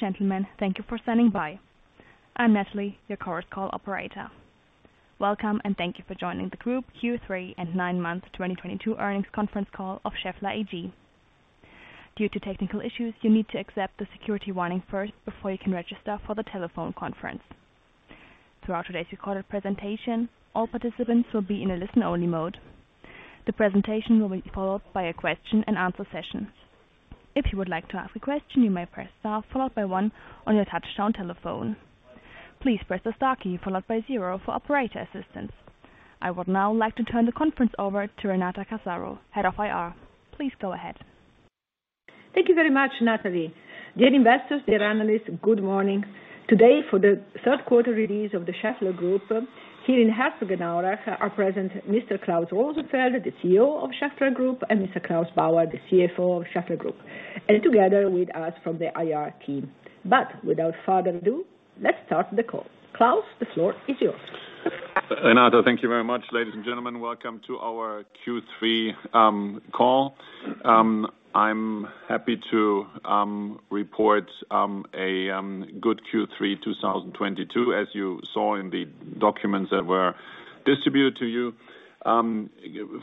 Ladies and gentlemen, thank you for standing by. I'm Natalie, your conference call operator. Welcome, and thank you for joining the group Q3 and nine months 2022 earnings conference call of Schaeffler AG. Due to technical issues, you need to accept the security warning first before you can register for the telephone conference. Throughout today's recorded presentation, all participants will be in a listen-only mode. The presentation will be followed by a question and answer session. If you would like to ask a question, you may press star followed by one on your touchtone telephone. Please press the star key followed by zero for operator assistance. I would now like to turn the conference over to Renata Casaro, Head of IR. Please go ahead. Thank you very much, Natalie. Dear investors, dear analysts, good morning. Today, for the third quarter release of the Schaeffler Group, here in Herzogenaurach are present Mr. Klaus Rosenfeld, the CEO of Schaeffler Group, and Mr. Claus Bauer, the CFO of Schaeffler Group, and together with us from the IR team. Without further ado, let's start the call. Klaus, the floor is yours. Renata, thank you very much. Ladies and gentlemen, welcome to our Q3 call. I'm happy to report a good Q3 2022, as you saw in the documents that were distributed to you.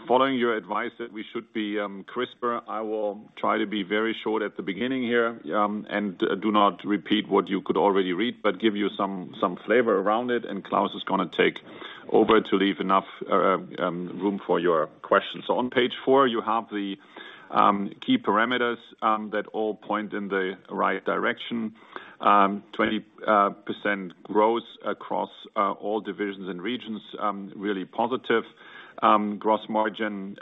Following your advice that we should be crisper, I will try to be very short at the beginning here and do not repeat what you could already read, but give you some flavor around it, and Klaus is going to take over to leave enough room for your questions. On page four, you have the key parameters that all point in the right direction. 20% growth across all divisions and regions, really positive. Gross margin,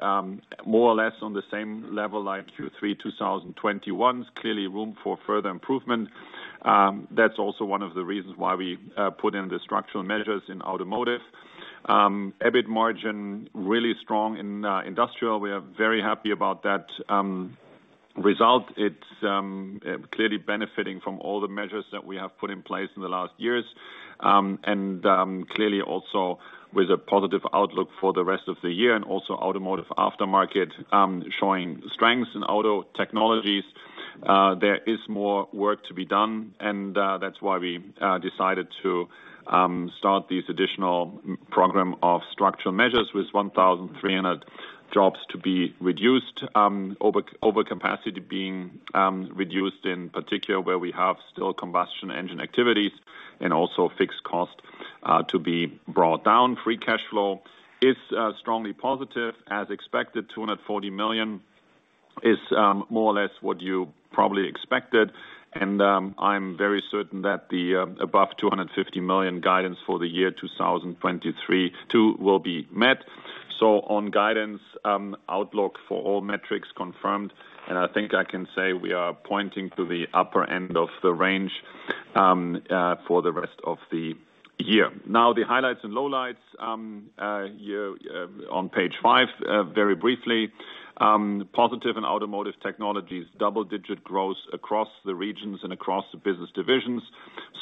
more or less on the same level like Q3 2021. Clearly room for further improvement. That's also one of the reasons why we put in the structural measures in automotive. EBIT margin, really strong in industrial. We are very happy about that result. It's clearly benefiting from all the measures that we have put in place in the last years. Clearly also with a positive outlook for the rest of the year and also automotive aftermarket showing strength in Automotive Technologies. There is more work to be done, and that's why we decided to start this additional program of structural measures with 1,300 jobs to be reduced, overcapacity being reduced in particular where we have still combustion engine activities, and also fixed cost to be brought down. Free cash flow is strongly positive as expected. 240 million is more or less what you probably expected, and I'm very certain that the above 250 million guidance for the year 2023 too will be met. On guidance, outlook for all metrics confirmed. I think I can say we are pointing to the upper end of the range for the rest of the year. The highlights and lowlights on page five, very briefly. Positive in Automotive Technologies, double-digit growth across the regions and across the business divisions.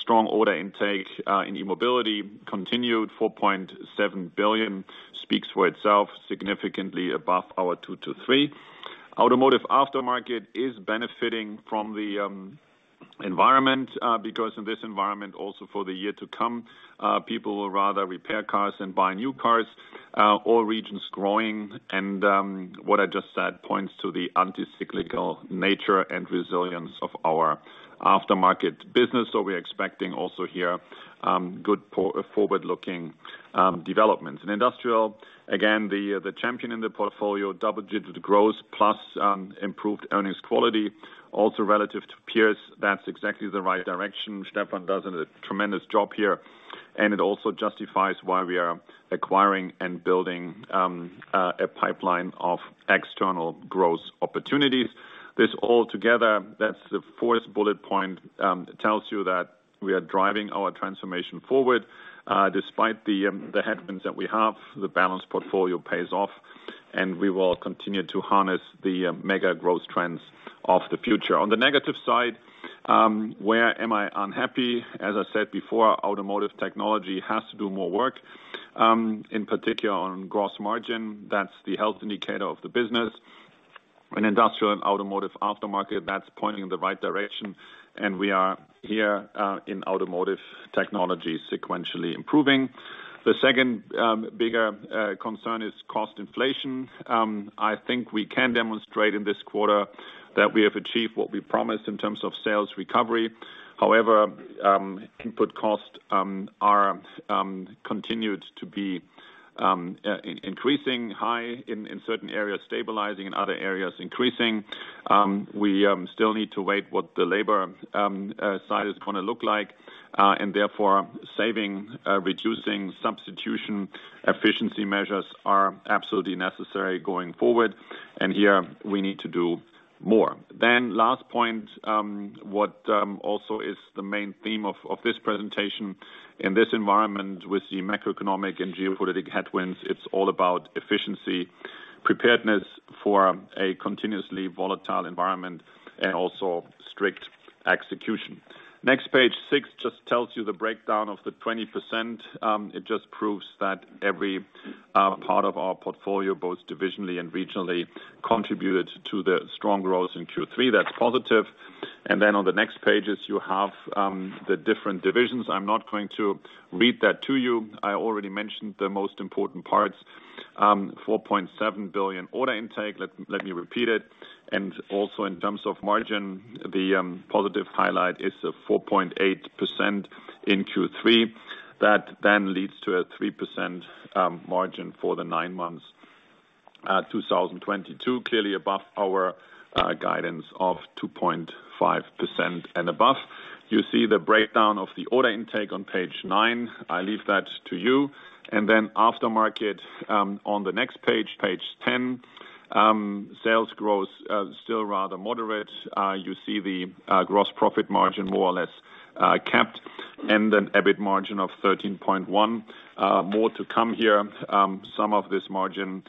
Strong order intake in e-mobility continued, 4.7 billion speaks for itself, significantly above our 2 billion-3 billion. Automotive Aftermarket is benefiting from the environment, because in this environment, also for the year to come, people will rather repair cars than buy new cars. All regions growing, and what I just said points to the anti-cyclical nature and resilience of our aftermarket business. We're expecting also here good forward-looking developments. In Industrial, again, the champion in the portfolio, double-digit growth plus improved earnings quality. Also relative to peers, that's exactly the right direction. Stefan does a tremendous job here. It also justifies why we are acquiring and building a pipeline of external growth opportunities. This all together, that's the fourth bullet point, tells you that we are driving our transformation forward. Despite the headwinds that we have, the balanced portfolio pays off, and we will continue to harness the mega growth trends of the future. On the negative side, where am I unhappy? As I said before, Automotive Technologies has to do more work, in particular on gross margin. That's the health indicator of the business. In Industrial and Automotive Aftermarket, that's pointing in the right direction, and we are here in Automotive Technologies sequentially improving. The second bigger concern is cost inflation. I think we can demonstrate in this quarter that we have achieved what we promised in terms of sales recovery. Input costs continued to be increasing, high in certain areas, stabilizing, in other areas, increasing. We still need to wait what the labor side is going to look like. Therefore saving, reducing, substitution, efficiency measures are absolutely necessary going forward. Here we need to do more. Last point, what also is the main theme of this presentation, in this environment with the macroeconomic and geopolitical headwinds, it's all about efficiency, preparedness for a continuously volatile environment, and also strict execution. Next page, six, just tells you the breakdown of the 20%. It just proves that every part of our portfolio, both divisionally and regionally, contributed to the strong growth in Q3. That's positive. On the next pages, you have the different divisions. I'm not going to read that to you. I already mentioned the most important parts. 4.7 billion order intake, let me repeat it. Also in terms of margin, the positive highlight is the 4.8% in Q3. That then leads to a 3% margin for the nine months, 2022, clearly above our guidance of 2.5% and above. You see the breakdown of the order intake on page nine. I leave that to you. Aftermarket on the next page 10. Sales growth still rather moderate. You see the gross profit margin more or less capped and an EBIT margin of 13.1%. More to come here. Some of this margin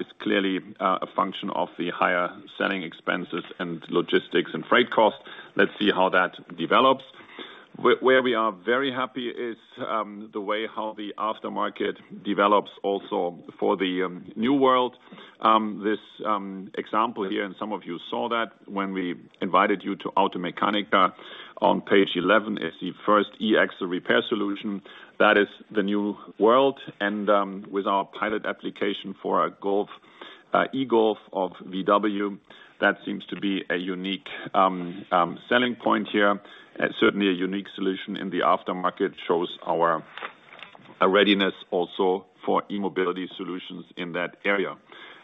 is clearly a function of the higher selling expenses and logistics and freight costs. Let's see how that develops. Where we are very happy is the way how the aftermarket develops also for the new world. This example here, and some of you saw that when we invited you to Automechanika, on page 11, is the first E-Axle repair solution. That is the new world. With our pilot application for our e-Golf of VW, that seems to be a unique selling point here. Certainly, a unique solution in the aftermarket shows our readiness also for e-mobility solutions in that area.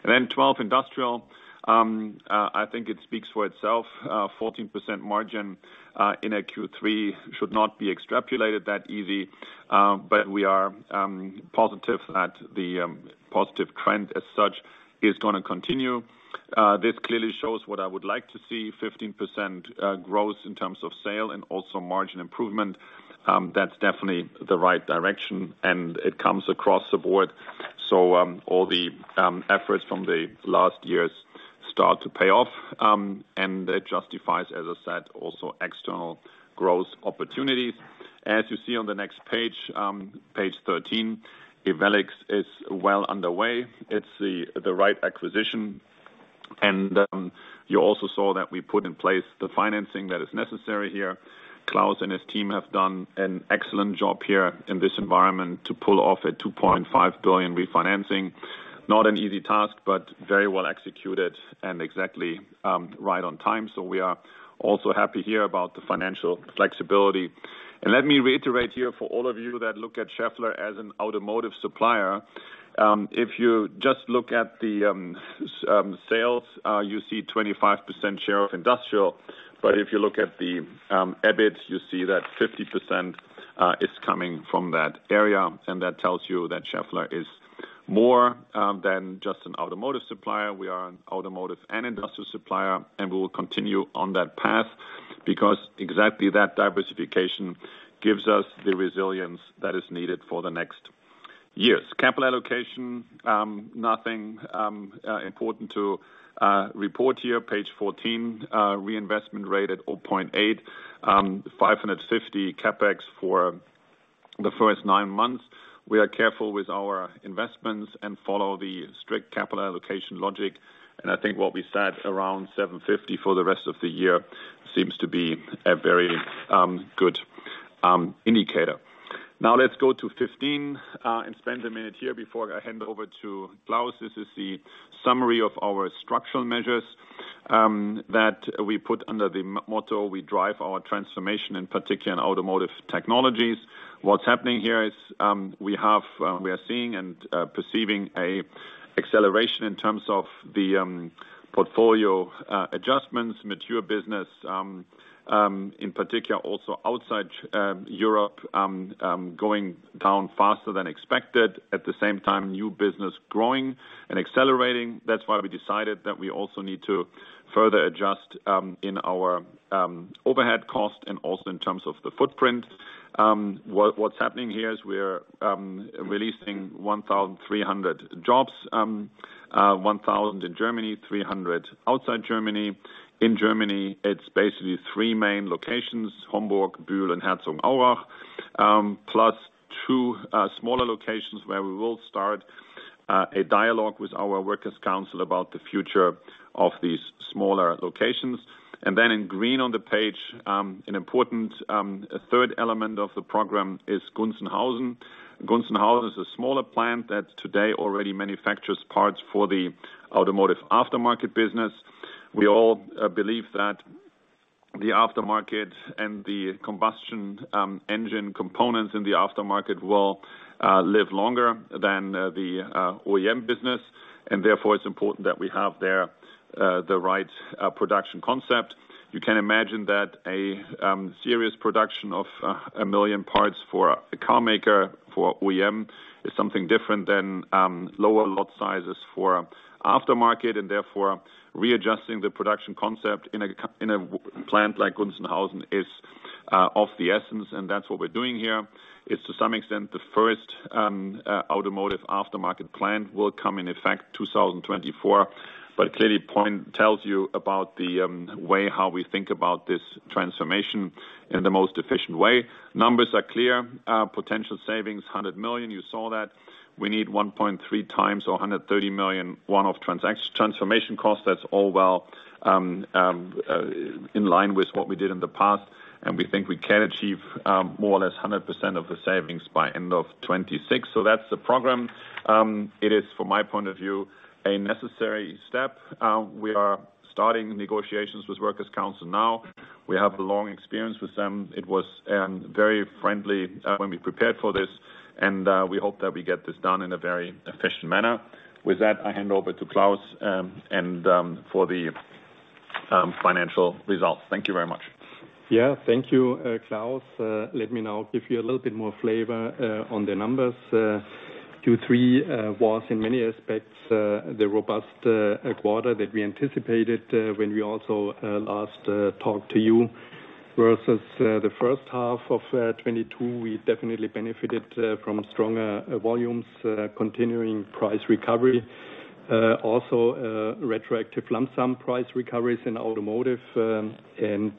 12, industrial. I think it speaks for itself. 14% margin in a Q3 should not be extrapolated that easy. We are positive that the positive trend as such is going to continue. This clearly shows what I would like to see, 15% growth in terms of sale and also margin improvement. That's definitely the right direction, and it comes across the board. All the efforts from the last years start to pay off, and it justifies, as I said, also external growth opportunities. As you see on the next page 13, Ewellix is well underway. It's the right acquisition. You also saw that we put in place the financing that is necessary here. Klaus and his team have done an excellent job here in this environment to pull off a 2.5 billion refinancing. Not an easy task, but very well executed and exactly right on time. We are also happy here about the financial flexibility. Let me reiterate here for all of you that look at Schaeffler as an automotive supplier. If you just look at the sales, you see 25% share of industrial. If you look at the EBIT, you see that 50% is coming from that area, and that tells you that Schaeffler is more than just an automotive supplier. We are an automotive and industrial supplier, and we will continue on that path because exactly that diversification gives us the resilience that is needed for the next years. Capital allocation, nothing important to report here. Page 14, reinvestment rate at 0.8. 550 CapEx for the first nine months. We are careful with our investments and follow the strict capital allocation logic. I think what we said around 750 for the rest of the year seems to be a very good indicator. Now let's go to 15 and spend a minute here before I hand over to Klaus. This is the summary of our structural measures that we put under the motto, we drive our transformation, in particular in Automotive Technologies. What's happening here is we are seeing and perceiving a acceleration in terms of the portfolio adjustments, mature business, in particular also outside Europe, going down faster than expected. At the same time, new business growing and accelerating. That's why we decided that we also need to further adjust in our overhead cost and also in terms of the footprint. What's happening here is we're releasing 1,300 jobs, 1,000 in Germany, 300 outside Germany. In Germany, it's basically three main locations, Homburg, Bühl, and Herzogenaurach, plus two smaller locations where we will start a dialogue with our workers council about the future of these smaller locations. In green on the page, an important third element of the program is Gunzenhausen. Gunzenhausen is a smaller plant that today already manufactures parts for the automotive aftermarket. We all believe that the aftermarket and the combustion engine components in the aftermarket will live longer than the OEM business, and therefore it's important that we have there the right production concept. You can imagine that a serious production of a million parts for a car maker, for OEM, is something different than lower lot sizes for aftermarket, and therefore, readjusting the production concept in a plant like Gunzenhausen is of the essence, and that's what we're doing here. It's to some extent the first automotive aftermarket plan will come in effect 2024. Clearly point tells you about the way how we think about this transformation in the most efficient way. Numbers are clear. Potential savings, 100 million, you saw that. We need 1.3 times or 130 million one-off transformation cost. That's all well in line with what we did in the past, and we think we can achieve more or less 100% of the savings by end of 2026. That's the program. It is, from my point of view, a necessary step. We are starting negotiations with workers council now. We have a long experience with them. It was very friendly when we prepared for this, and we hope that we get this done in a very efficient manner. With that, I hand over to Klaus, and for the financial results. Thank you very much. Thank you, Klaus. Let me now give you a little bit more flavor on the numbers. Q3 was, in many aspects, the robust quarter that we anticipated, when we also last talked to you. Versus the first half of 2022, we definitely benefited from stronger volumes, continuing price recovery. Also, retroactive lump sum price recoveries in automotive, and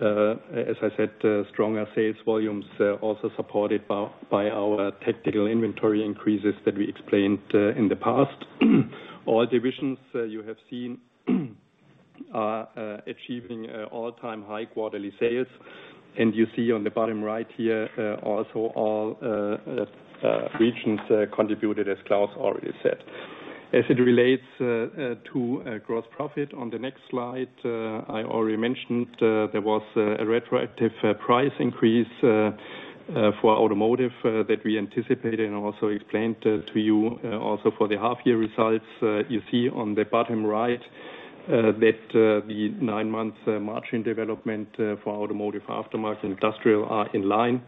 as I said, stronger sales volumes, also supported by our tactical inventory increases that we explained in the past. All divisions you have seen are achieving all-time high quarterly sales. You see on the bottom right here, also all regions contributed, as Klaus already said. As it relates to gross profit on the next slide, I already mentioned there was a retroactive price increase for automotive that we anticipated and also explained to you also for the half year results. You see on the bottom right that the nine months margin development for automotive aftermarket and industrial are in line.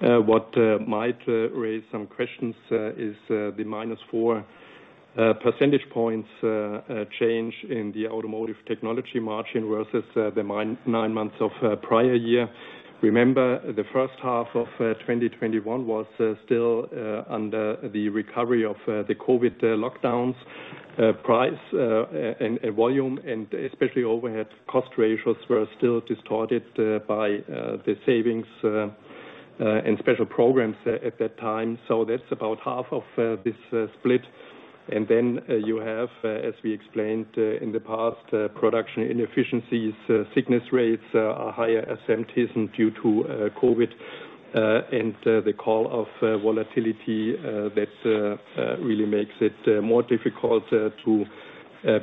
What might raise some questions is the -4 percentage points change in the Automotive Technologies margin versus the nine months of prior year. Remember, the first half of 2021 was still under the recovery of the COVID lockdowns. Price and volume, and especially overhead cost ratios were still distorted by the savings and special programs at that time. That's about half of this split. Then you have, as we explained in the past, production inefficiencies, sickness rates are higher, absenteeism due to COVID, and the call of volatility that really makes it more difficult to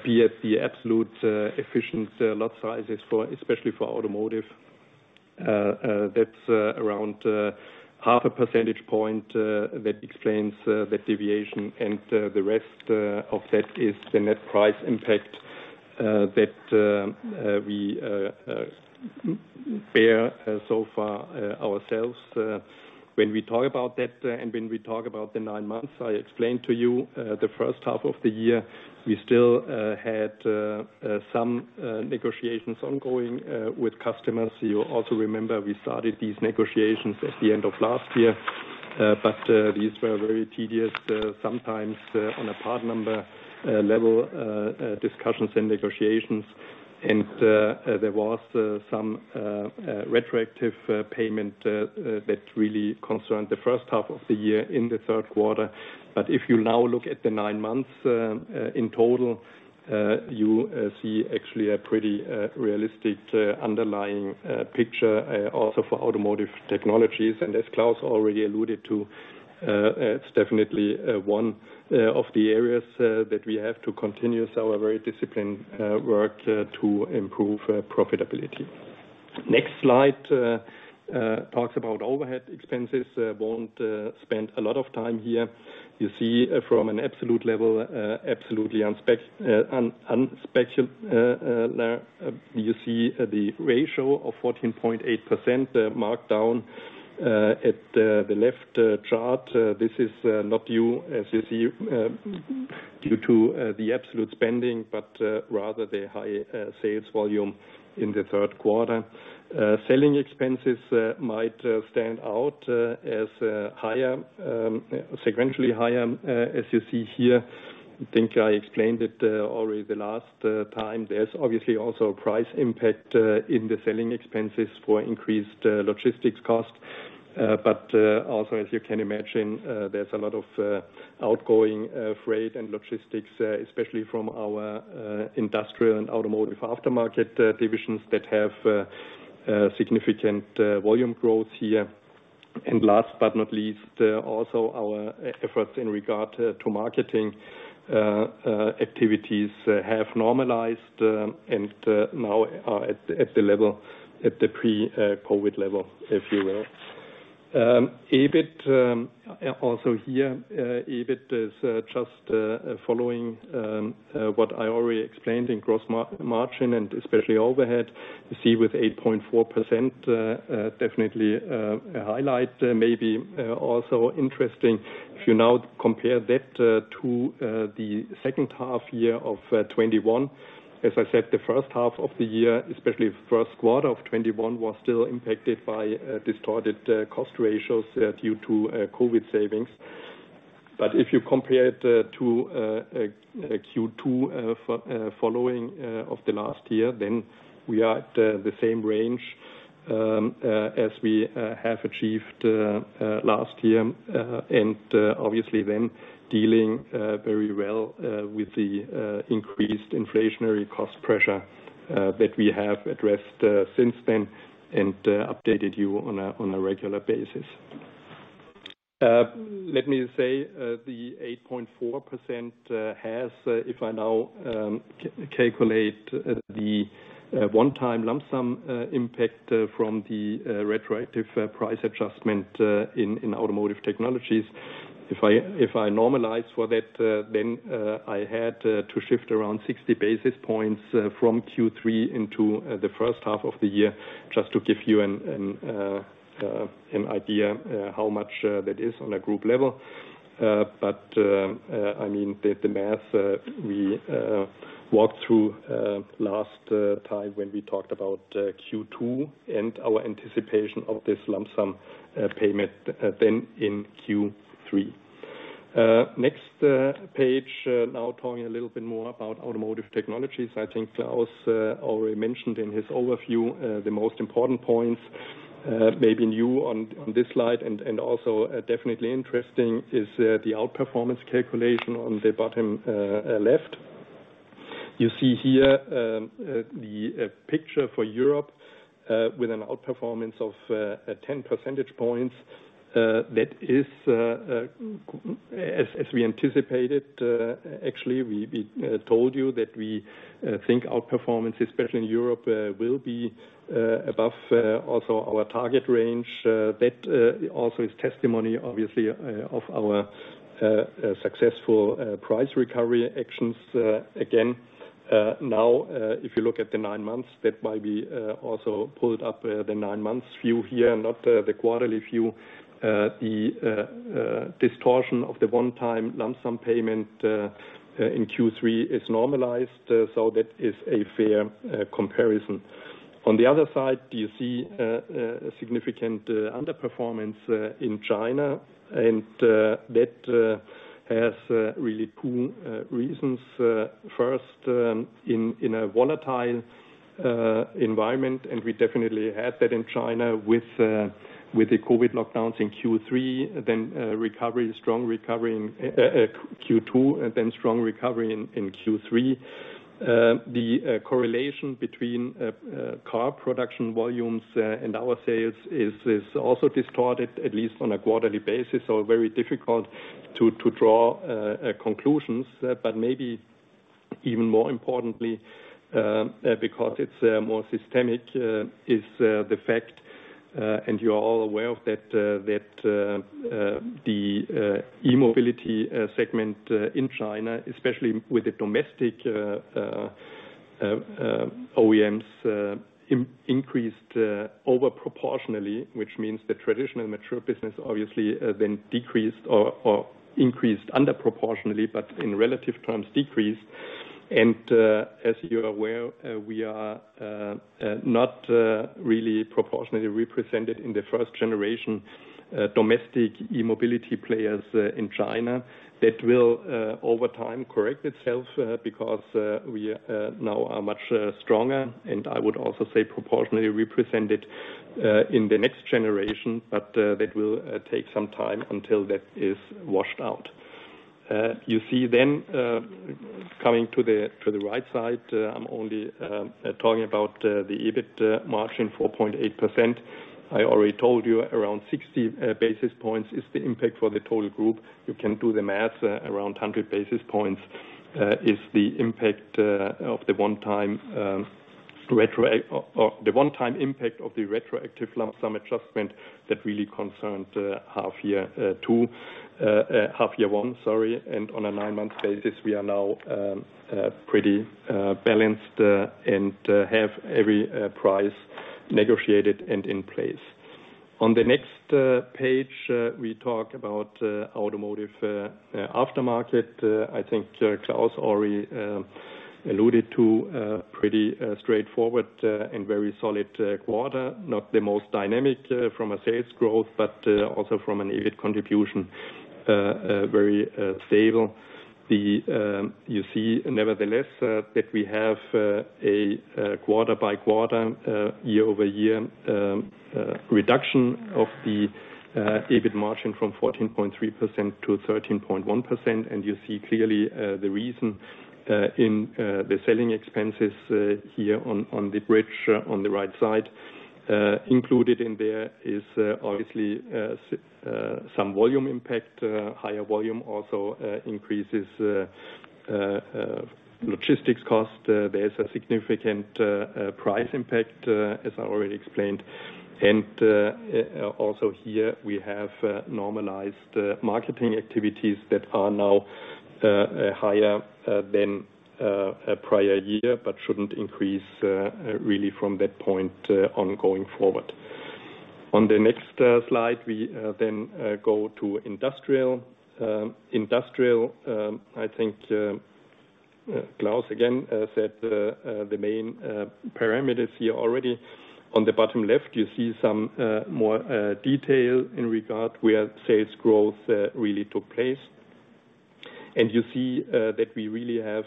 be at the absolute efficient lot sizes, especially for automotive. That's around half a percentage point that explains that deviation, and the rest of that is the net price impact that we bear so far ourselves. When we talk about that and when we talk about the nine months, I explained to you the first half of the year, we still had some negotiations ongoing with customers. You also remember we started these negotiations at the end of last year. These were very tedious, sometimes on a part number level, discussions and negotiations. If you now look at the nine months in total, you see actually a pretty realistic underlying picture also for Automotive Technologies. And as Klaus already alluded to, it's definitely one of the areas that we have to continue our very disciplined work to improve profitability. Next slide talks about overhead expenses. Won't spend a lot of time here. You see from an absolute level, absolutely unsuspecting. You see the ratio of 14.8% markdown at the left chart. This is not new, as you see, due to the absolute spending, but rather the high sales volume in the third quarter. Selling expenses might stand out as sequentially higher, as you see here. I think I explained it already the last time. There's obviously also a price impact in the selling expenses for increased logistics cost. Also, as you can imagine, there's a lot of outgoing freight and logistics, especially from our Industrial and Automotive Aftermarket divisions that have significant volume growth here. Last but not least, also our efforts in regard to marketing activities have normalized and now are at the pre-COVID level, if you will. Also here, EBIT is just following what I already explained in gross margin and especially overhead. You see with 8.4%, definitely a highlight. Maybe also interesting if you now compare that to the second half of 2021. As I said, the first half of the year, especially the first quarter of 2021, was still impacted by distorted cost ratios due to COVID savings. If you compare it to Q2 of last year, then we are at the same range, as we have achieved last year. Obviously then dealing very well with the increased inflationary cost pressure that we have addressed since then and updated you on a regular basis. Let me say, the 8.4% has, if I now calculate the one-time lump sum impact from the retroactive price adjustment in Automotive Technologies, if I normalize for that, then I had to shift around 60 basis points from Q3 into the first half of the year, just to give you an idea how much that is on a group level. The math we walked through last time when we talked about Q2 and our anticipation of this lump sum payment then in Q3. Next page, now talking a little bit more about Automotive Technologies. I think Klaus already mentioned in his overview, the most important points, maybe new on this slide and also definitely interesting, is the outperformance calculation on the bottom left. You see here the picture for Europe, with an outperformance of 10 percentage points. That is as we anticipated, actually, we told you that we think outperformance, especially in Europe, will be above also our target range. That also is testimony, obviously, of our successful price recovery actions, again. If you look at the 9 months, that might be also pulled up the 9 months view here, not the quarterly view. The distortion of the one-time lump sum payment in Q3 is normalized, that is a fair comparison. On the other side, you see a significant underperformance in China, that has really two reasons. First, in a volatile environment, we definitely had that in China with the COVID lockdowns in Q3, then strong recovery in Q2, then strong recovery in Q3. The correlation between car production volumes and our sales is also distorted, at least on a quarterly basis, very difficult to draw conclusions. Maybe even more importantly, because it's more systemic, is the fact, and you are all aware of that, the e-mobility segment in China, especially with the domestic OEMs, increased over proportionally, which means the traditional mature business obviously then decreased or increased under proportionally, but in relative terms decreased. As you're aware, we are not really proportionally represented in the first-generation domestic e-mobility players in China. That will, over time, correct itself, because we now are much stronger, and I would also say proportionally represented, in the next generation. That will take some time until that is washed out. You see, coming to the right side, I'm only talking about the EBIT margin 4.8%. I already told you around 60 basis points is the impact for the total group. You can do the math, around 100 basis points is the one-time impact of the retroactive lump sum adjustment that really concerned half-year one. On a 9-month basis, we are now pretty balanced and have every price negotiated and in place. On the next page, we talk about automotive aftermarket. I think Klaus already alluded to pretty straightforward and very solid quarter. Not the most dynamic from a sales growth, but also from an EBIT contribution, very stable. You see, nevertheless, that we have a quarter-by-quarter, year-over-year reduction of the EBIT margin from 14.3% to 13.1%. You see clearly the reason in the selling expenses here on the bridge on the right side. Included in there is obviously some volume impact, higher volume also increases logistics cost. There's a significant price impact, as I already explained. Also here we have normalized marketing activities that are now higher than prior year, shouldn't increase really from that point on going forward. On the next slide, we go to industrial. Industrial, I think Klaus again said the main parameters here already. On the bottom left, you see some more detail in regard where sales growth really took place. You see that we really have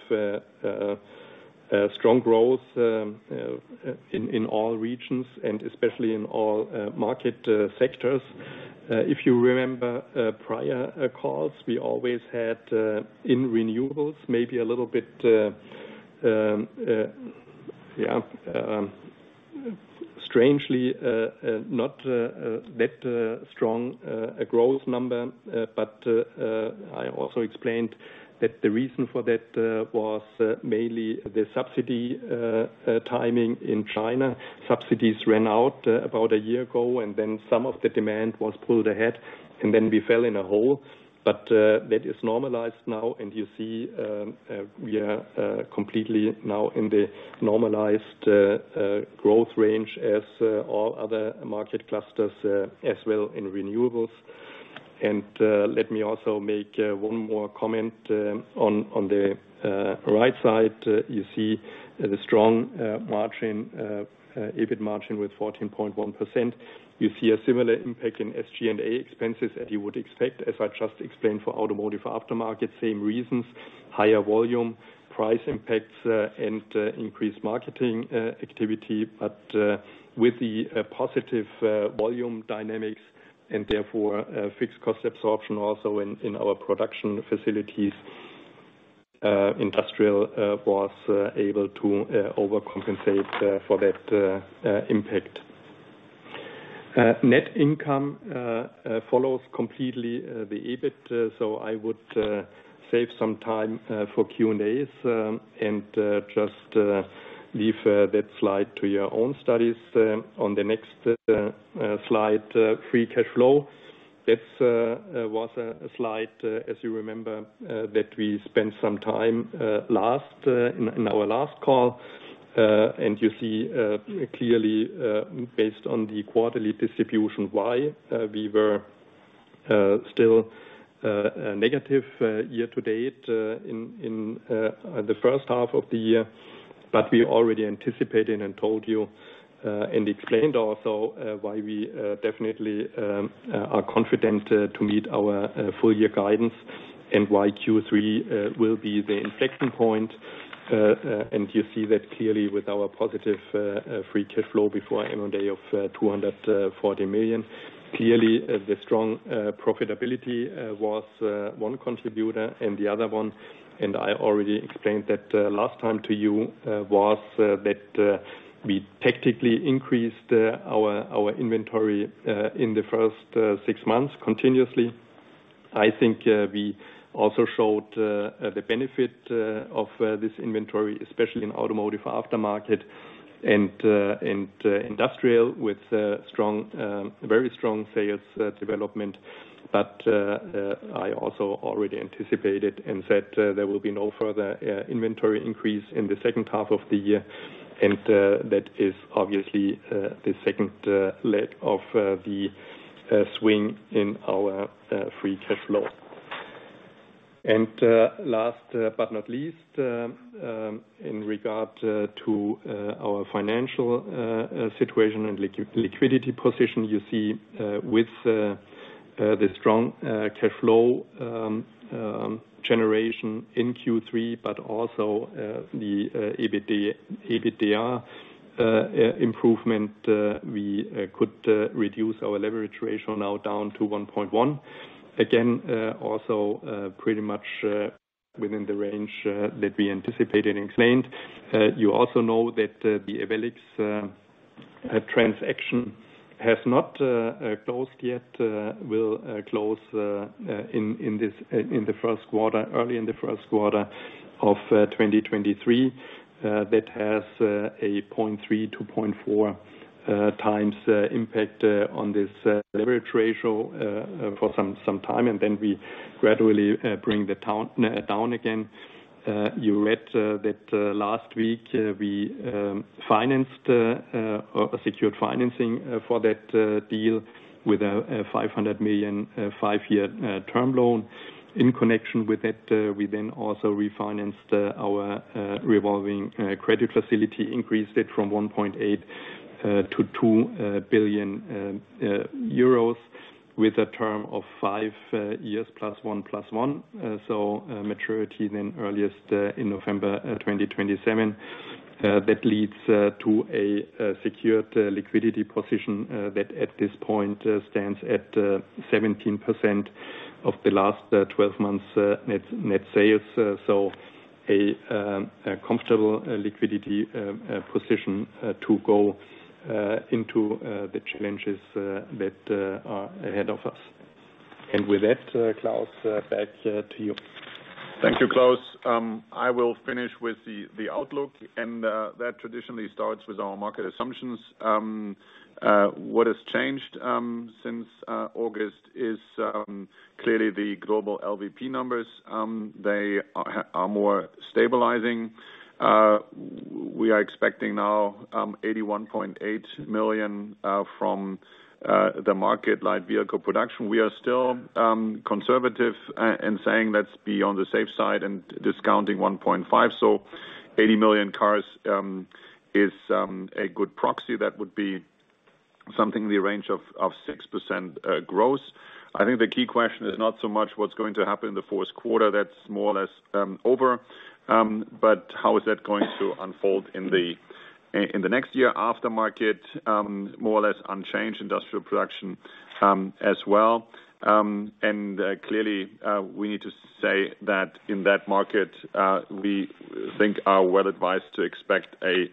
strong growth in all regions and especially in all market sectors. If you remember prior calls, we always had in renewables, maybe a little bit, strangely, not that strong a growth number. I also explained that the reason for that was mainly the subsidy timing in China. Subsidies ran out about a year ago, then some of the demand was pulled ahead, then we fell in a hole. That is normalized now, you see we are completely now in the normalized growth range as all other market clusters as well in renewables. Let me also make one more comment. On the right side, you see the strong EBIT margin with 14.1%. You see a similar impact in SG&A expenses as you would expect, as I just explained for automotive aftermarket. Same reasons, higher volume, price impacts, and increased marketing activity. With the positive volume dynamics and therefore fixed cost absorption also in our production facilities, industrial was able to overcompensate for that impact. Net income follows completely the EBIT, so I would save some time for Q&As and just leave that slide to your own studies. On the next slide, free cash flow. That was a slide, as you remember, that we spent some time in our last call. You see clearly based on the quarterly distribution why we were still negative year to date in the first half of the year. We already anticipated and told you, and explained also, why we definitely are confident to meet our full year guidance and why Q3 will be the inflection point. You see that clearly with our positive free cash flow before M&A of 240 million. Clearly, the strong profitability was one contributor, and the other one, and I already explained that last time to you, was that we tactically increased our inventory in the first six months continuously. I think we also showed the benefit of this inventory, especially in automotive aftermarket and industrial with very strong sales development. I also already anticipated and said there will be no further inventory increase in the second half of the year, that is obviously the second leg of the swing in our free cash flow. Last but not least, in regard to our financial situation and liquidity position, you see with the strong cash flow generation in Q3, but also the EBITDA improvement, we could reduce our leverage ratio now down to 1.1. Again, also pretty much within the range that we anticipated and explained. You also know that the Ewellix transaction has not closed yet. Will close early in the first quarter of 2023. That has a 0.3 to 0.4 times impact on this leverage ratio for some time, and then we gradually bring that down again. You read that last week we secured financing for that deal with a 500 million, five-year term loan. In connection with it, we then also refinanced our revolving credit facility, increased it from 1.8 billion to 2 billion euros with a term of five years plus one plus one. Maturity then earliest in November 2027. That leads to a secured liquidity position that at this point stands at 17% of the last 12 months net sales. With that, Klaus, back to you. Thank you, Klaus. I will finish with the outlook, that traditionally starts with our market assumptions. What has changed since August is clearly the global LVP numbers. They are more stabilizing. We are expecting now 81.8 million from the market light vehicle production. We are still conservative and saying let's be on the safe side and discounting 1.5. 80 million cars is a good proxy. That would be something in the range of 6% growth. I think the key question is not so much what's going to happen in the fourth quarter, that's more or less over, but how is that going to unfold in the next year. After market, more or less unchanged. Industrial production as well. Clearly, we need to say that in that market, we think are well advised to expect a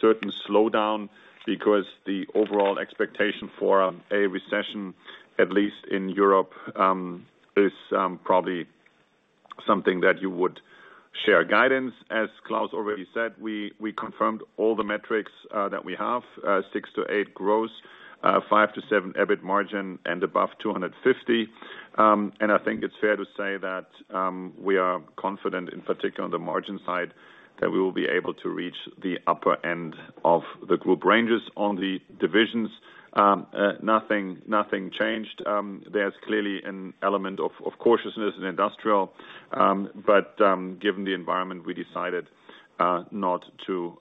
certain slowdown because the overall expectation for a recession, at least in Europe, is probably something that you would share guidance. As Klaus already said, we confirmed all the metrics that we have. 6%-8% growth, 5%-7% EBIT margin, and above 250 million. I think it's fair to say that we are confident, in particular on the margin side, that we will be able to reach the upper end of the group ranges on the divisions. Nothing changed. There's clearly an element of cautiousness in Industrial. Given the environment, we decided not to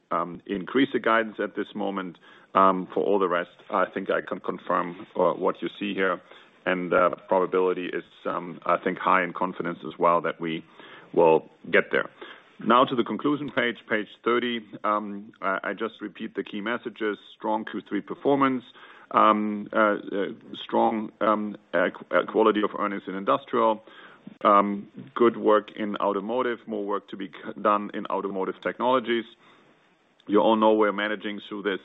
increase the guidance at this moment. For all the rest, I think I can confirm what you see here, and the probability is I think high in confidence as well that we will get there. Now to the conclusion page 30. I just repeat the key messages. Strong Q3 performance. Strong quality of earnings in Industrial. Good work in automotive. More work to be done in Automotive Technologies. You all know we're managing through this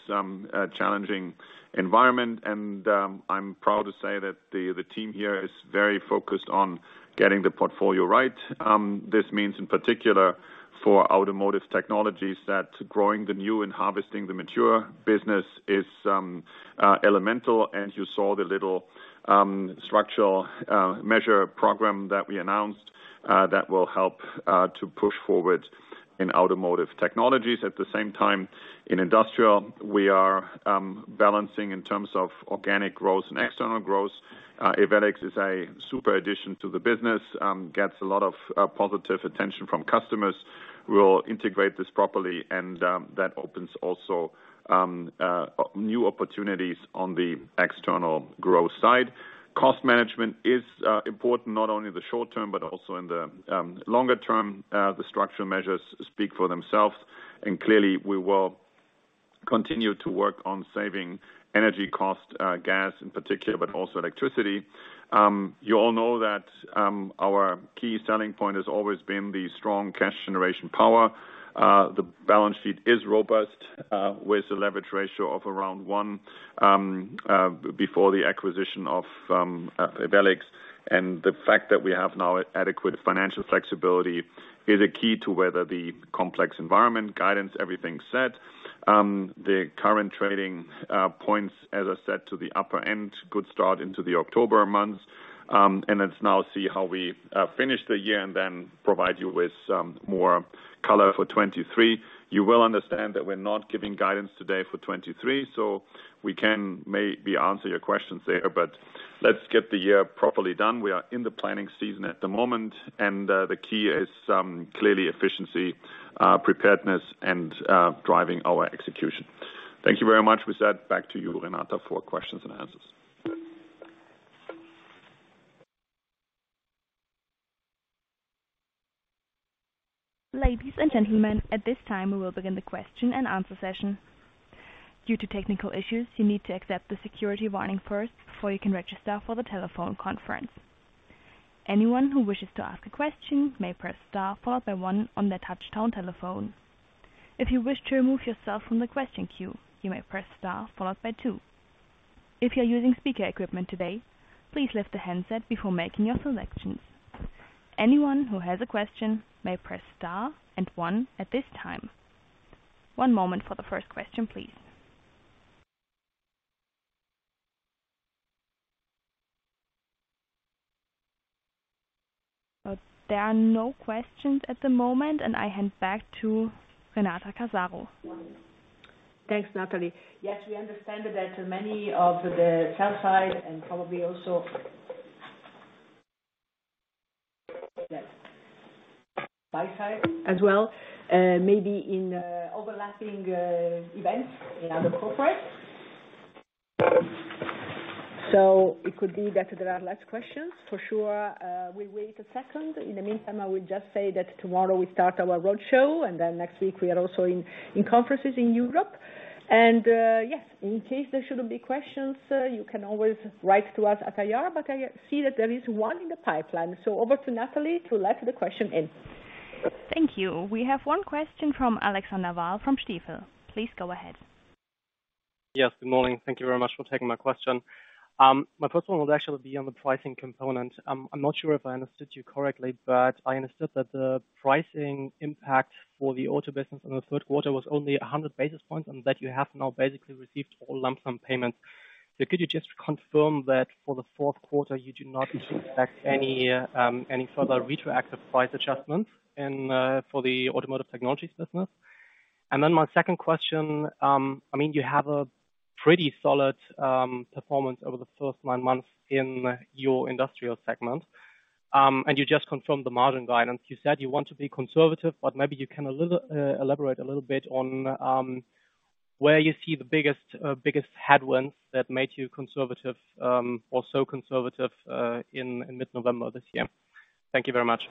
challenging environment and I'm proud to say that the team here is very focused on getting the portfolio right. This means, in particular for Automotive Technologies, that growing the new and harvesting the mature business is elemental. You saw the little structural measure program that we announced that will help to push forward in Automotive Technologies. At the same time, in Industrial, we are balancing in terms of organic growth and external growth. Ewellix is a super addition to the business. Gets a lot of positive attention from customers. We'll integrate this properly and that opens also new opportunities on the external growth side. Cost management is important, not only in the short term but also in the longer term. The structural measures speak for themselves, and clearly we will continue to work on saving energy cost, gas in particular, but also electricity. You all know that our key selling point has always been the strong cash generation power. The balance sheet is robust with a leverage ratio of around 1, before the acquisition of Ewellix. The fact that we have now adequate financial flexibility is a key to weather the complex environment. Guidance, everything said. The current trading points, as I said, to the upper end. Good start into the October months. Let's now see how we finish the year and then provide you with more color for 2023. You will understand that we're not giving guidance today for 2023, so we can maybe answer your questions there. Let's get the year properly done. We are in the planning season at the moment, and the key is clearly efficiency, preparedness, and driving our execution. Thank you very much. With that, back to you, Renata, for questions and answers. Ladies and gentlemen, at this time, we will begin the question and answer session. Due to technical issues, you need to accept the security warning first before you can register for the telephone conference. Anyone who wishes to ask a question may press star followed by one on your touchtone telephone. If you wish to remove yourself from the question queue, you may press star followed by two. If you're using speaker equipment today, please lift the handset before making your selections. Anyone who has a question may press star and one at this time. One moment for the first question, please. There are no questions at the moment, and I hand back to Renata Casaro. Thanks, Natalie. We understand that many of the sell side, and probably also buy side as well, may be in overlapping events in other corporates. It could be that there are less questions. For sure, we wait a second. In the meantime, I would just say that tomorrow we start our roadshow. Next week we are also in conferences in Europe. Yes, in case there should be questions, you can always write to us at IR, but I see that there is one in the pipeline. Over to Natalie to let the question in. Thank you. We have one question from Alexander Wahl from Stifel. Please go ahead. Yes, good morning. Thank you very much for taking my question. My first one would actually be on the pricing component. I'm not sure if I understood you correctly, but I understood that the pricing impact for the auto business in the third quarter was only 100 basis points, and that you have now basically received all lump sum payments. Could you just confirm that for the fourth quarter, you do not expect any further retroactive price adjustments for the Automotive Technologies business? My second question, you have a pretty solid performance over the first nine months in your industrial segment, and you just confirmed the margin guidance. You said you want to be conservative, maybe you can elaborate a little bit on where you see the biggest headwinds that made you conservative or so conservative in mid-November this year. Thank you very much.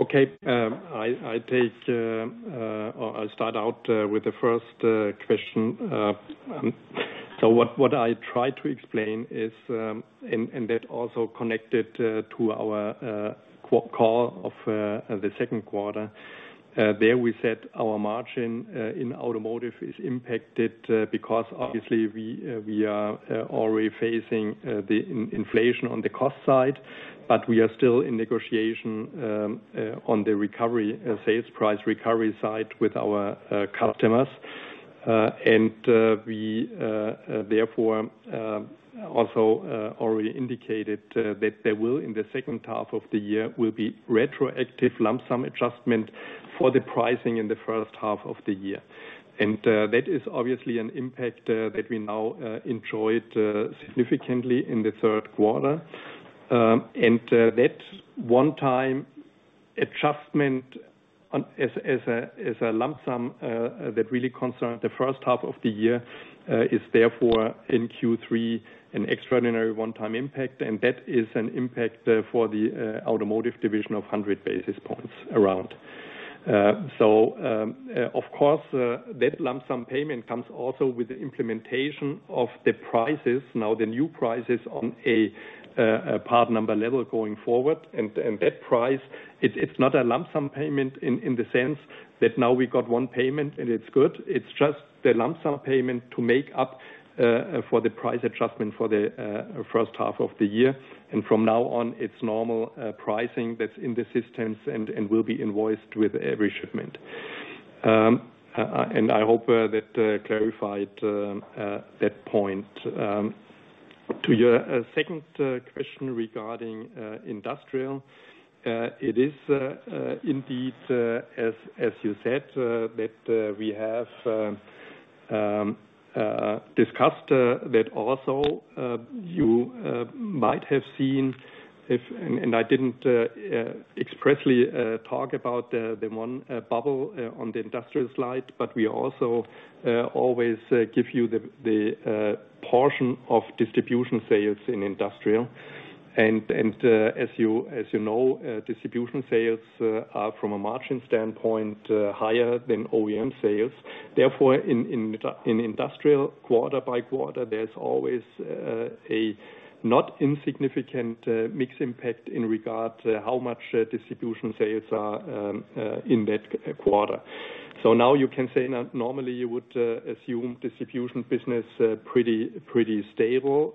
Okay. I'll start out with the first question. What I try to explain is that also connected to our call of the second quarter. There we said our margin in automotive is impacted, because obviously we are already facing the inflation on the cost side, we are still in negotiation on the sales price recovery side with our customers. We, therefore, also already indicated that there will, in the second half of the year, be retroactive lump sum adjustment for the pricing in the first half of the year. That is obviously an impact that we now enjoyed significantly in the third quarter. That one-time adjustment as a lump sum that really concerned the first half of the year, is therefore in Q3, an extraordinary one-time impact. That is an impact for the automotive division of 100 basis points around. Of course, that lump sum payment comes also with the implementation of the prices. Now the new prices on a part number level going forward, it's not a lump sum payment in the sense that now we got one payment and it's good. It's just the lump sum payment to make up for the price adjustment for the first half of the year. From now on, it's normal pricing that's in the systems and will be invoiced with every shipment. I hope that clarified that point. To your second question regarding industrial. It is indeed, as you said, that we have discussed that also you might have seen if I didn't expressly talk about the one bubble on the industrial slide, we also always give you the portion of distribution sales in industrial. As you know, distribution sales are, from a margin standpoint, higher than OEM sales. Therefore, in industrial quarter by quarter, there's always a not insignificant mix impact in regard to how much distribution sales are in that quarter. Now you can say, normally you would assume distribution business pretty stable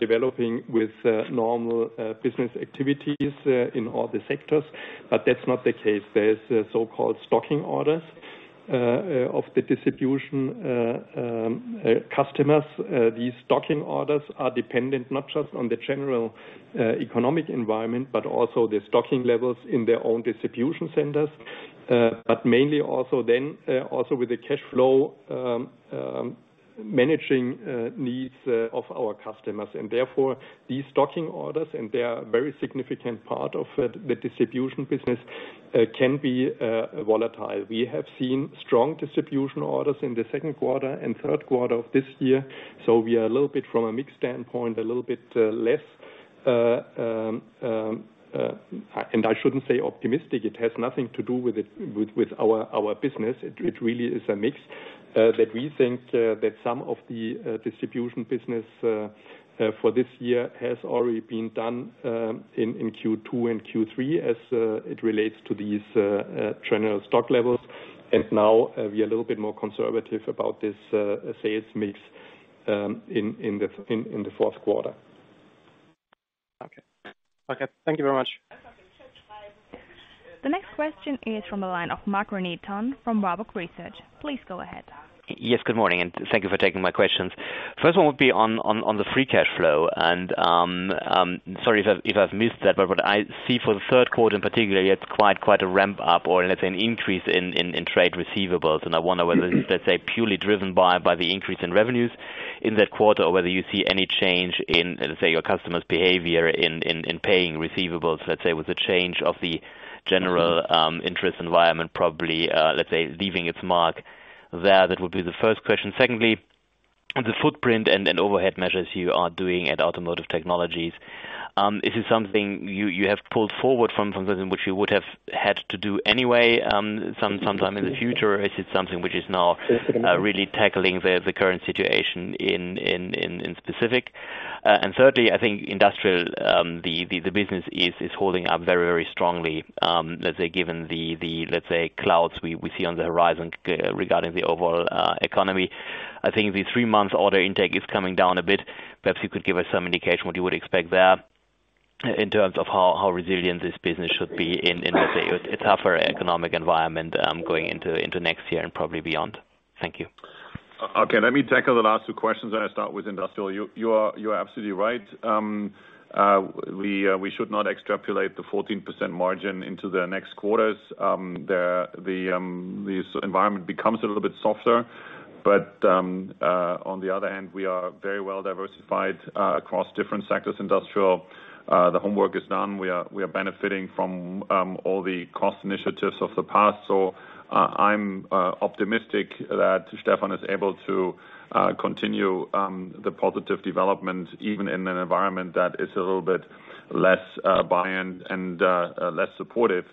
developing with normal business activities in all the sectors, that's not the case. There are so-called stocking orders of the distribution customers. These stocking orders are dependent not just on the general economic environment, also the stocking levels in their own distribution centers. Mainly also then, also with the cash flow, managing needs of our customers. Therefore, these stocking orders, a very significant part of the distribution business, can be volatile. We have seen strong distribution orders in the second quarter and third quarter of this year. We are a little bit from a mix standpoint, a little bit less, and I shouldn't say optimistic. It has nothing to do with our business. It really is a mix that we think that some of the distribution business for this year has already been done in Q2 and Q3 as it relates to these general stock levels. Now we are a little bit more conservative about this sales mix in the fourth quarter. Okay. Thank you very much. The next question is from the line of Marc-René Tonn from Warburg Research. Please go ahead. Yes, good morning. Thank you for taking my questions. First one would be on the free cash flow, and, sorry if I've missed that, but what I see for the third quarter in particular, you had quite a ramp up or let's say an increase in trade receivables. I wonder whether that's, let's say, purely driven by the increase in revenues in that quarter, or whether you see any change in, let's say, your customers' behavior in paying receivables, let's say, with the change of the general interest environment probably, let's say, leaving its mark there. That would be the first question. Secondly, on the footprint and overhead measures you are doing at Automotive Technologies, is it something you have pulled forward from something which you would have had to do anyway sometime in the future, or is it something which is now really tackling the current situation in specific? Thirdly, I think industrial, the business is holding up very strongly. Let's say given the clouds we see on the horizon regarding the overall economy. I think the three-month order intake is coming down a bit. Perhaps you could give us some indication what you would expect there. In terms of how resilient this business should be in, let's say, a tougher economic environment, going into next year and probably beyond. Thank you. Okay. Let me tackle the last two questions, I start with industrial. You are absolutely right. We should not extrapolate the 14% margin into the next quarters. The environment becomes a little bit softer, but on the other hand, we are very well diversified across different sectors, industrial. The homework is done. We are benefiting from all the cost initiatives of the past. I'm optimistic that Stefan is able to continue the positive development, even in an environment that is a little bit less buy-in and less supportive.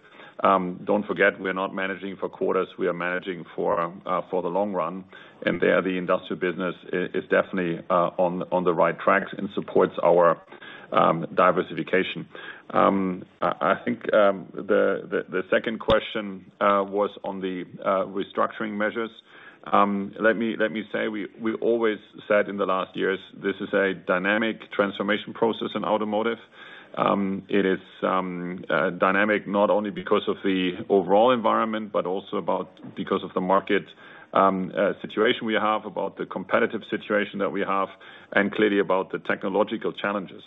Don't forget, we are not managing for quarters, we are managing for the long run. There, the industrial business is definitely on the right track and supports our diversification. I think the second question was on the restructuring measures. Let me say, we always said in the last years, this is a dynamic transformation process in automotive. It is dynamic not only because of the overall environment, but also because of the market situation we have, about the competitive situation that we have, and clearly about the technological challenges.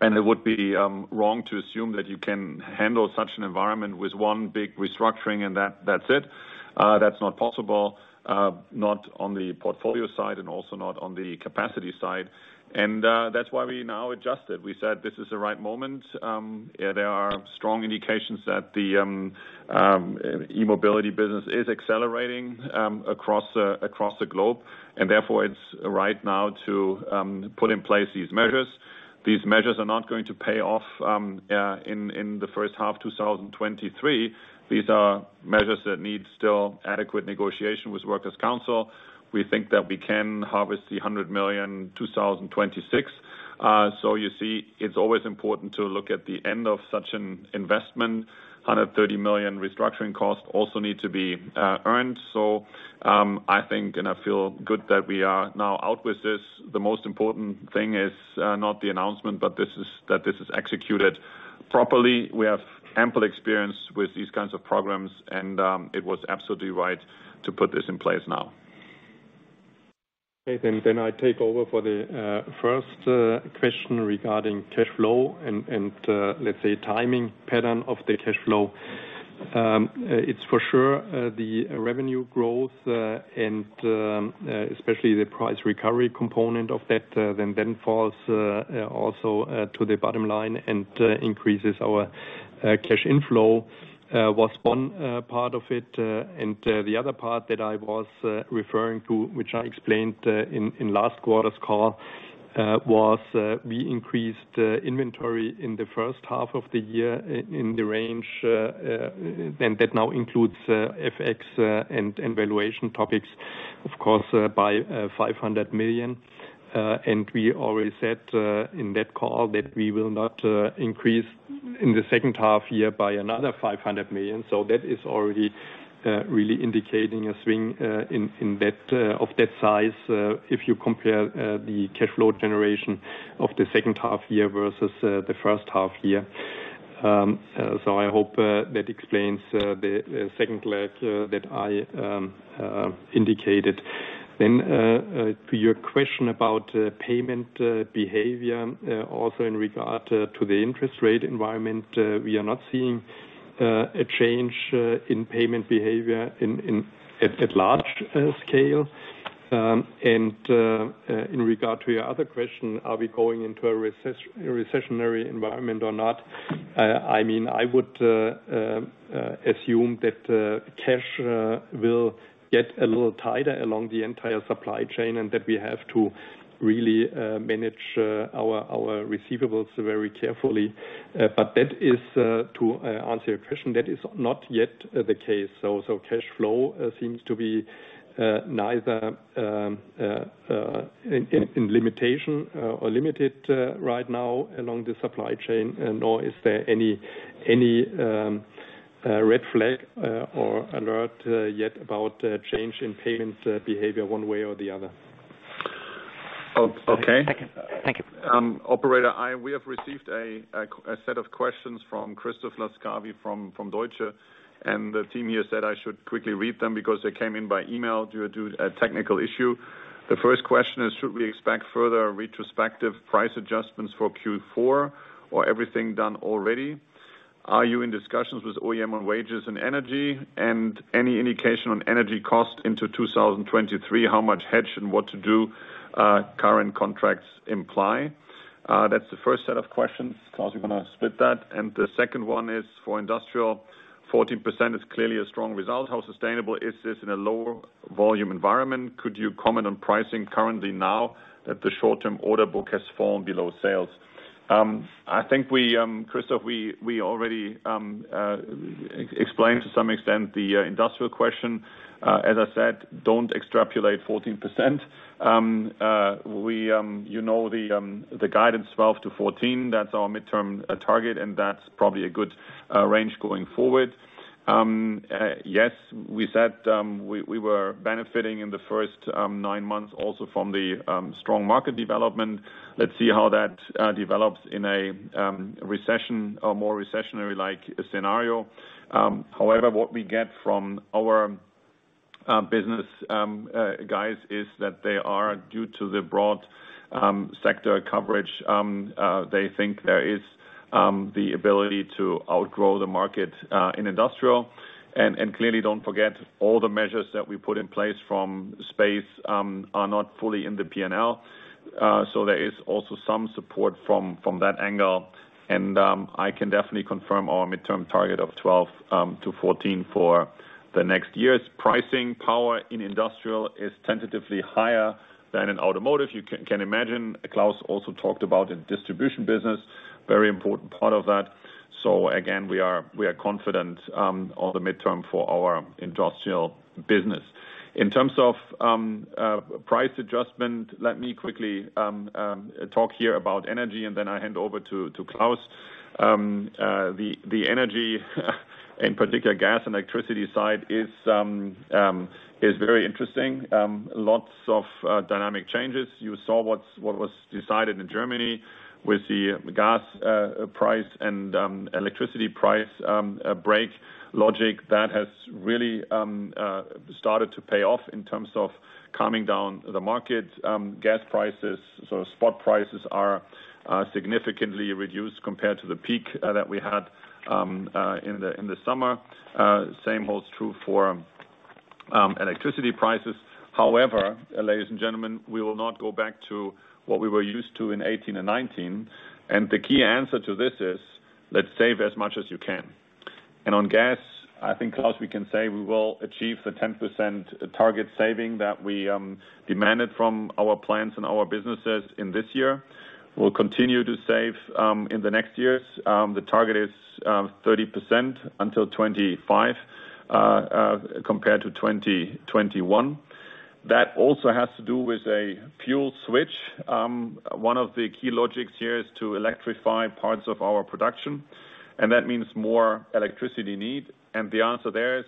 It would be wrong to assume that you can handle such an environment with one big restructuring and that's it. That's not possible, not on the portfolio side, and also not on the capacity side. That's why we now adjusted. We said this is the right moment. There are strong indications that the e-mobility business is accelerating across the globe, therefore it's right now to put in place these measures. These measures are not going to pay off in the first half 2023. These are measures that need still adequate negotiation with workers' council. We think that we can harvest the 100 million, 2026. You see, it's always important to look at the end of such an investment. 130 million restructuring costs also need to be earned. I think, I feel good that we are now out with this, the most important thing is not the announcement, but that this is executed properly. We have ample experience with these kinds of programs, it was absolutely right to put this in place now. Okay, I take over for the first question regarding cash flow and, let's say, timing pattern of the cash flow. It is for sure the revenue growth, and especially the price recovery component of that, then falls also to the bottom line and increases our cash inflow, was one part of it. The other part that I was referring to, which I explained in last quarter's call, was we increased inventory in the first half of the year in the range, and that now includes FX and valuation topics, of course, by 500 million. We already said in that call that we will not increase in the second half year by another 500 million. That is already really indicating a swing of that size, if you compare the cash flow generation of the second half year versus the first half year. I hope that explains the second leg that I indicated. To your question about payment behavior, also in regard to the interest rate environment, we are not seeing a change in payment behavior at large scale. In regard to your other question, are we going into a recessionary environment or not? I would assume that cash will get a little tighter along the entire supply chain and that we have to really manage our receivables very carefully. To answer your question, that is not yet the case. Cash flow seems to be neither in limitation or limited right now along the supply chain, nor is there any red flag or alert yet about change in payment behavior one way or the other. Okay. Thank you. Operator, we have received a set of questions from Christoph Laskawi from Deutsche Bank. The team here said I should quickly read them because they came in by email due to a technical issue. The first question is, "Should we expect further retrospective price adjustments for Q4 or everything done already? Are you in discussions with OEM on wages and energy? Any indication on energy cost into 2023, how much hedge and what do current contracts imply?" That is the first set of questions. Klaus, you are going to split that. The second one is for industrial. 14% is clearly a strong result. How sustainable is this in a lower volume environment? Could you comment on pricing currently now that the short-term order book has fallen below sales? I think, Christoph, we already explained to some extent the industrial question. As I said, don't extrapolate 14%. You know the guidance, 12-14. That's our midterm target, and that's probably a good range going forward. Yes, we said we were benefiting in the first nine months also from the strong market development. Let's see how that develops in a recession or more recessionary-like scenario. However, what we get from our business guys is that they are, due to the broad sector coverage, they think there is the ability to outgrow the market in industrial. Clearly, don't forget, all the measures that we put in place from Space are not fully in the P&L. There is also some support from that angle. And I can definitely confirm our midterm target of 12-14 for the next year's pricing power in industrial is tentatively higher than in automotive. You can imagine, Klaus also talked about the distribution business, very important part of that. Again, we are confident on the midterm for our industrial business. In terms of price adjustment, let me quickly talk here about energy, then I hand over to Klaus. The energy in particular, gas, electricity side is very interesting. Lots of dynamic changes. You saw what was decided in Germany with the gas price and electricity price break logic that has really started to pay off in terms of calming down the market. Gas prices, spot prices, are significantly reduced compared to the peak that we had in the summer. Same holds true for electricity prices. However, ladies and gentlemen, we will not go back to what we were used to in 2018 and 2019. The key answer to this is, let's save as much as you can. On gas, I think, Klaus, we can say we will achieve the 10% target saving that we demanded from our plants and our businesses in this year. We'll continue to save in the next years. The target is 30% until 2025, compared to 2021. That also has to do with a fuel switch. One of the key logics here is to electrify parts of our production, and that means more electricity need. The answer there is